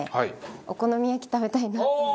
お好み焼き食べたいなと思って。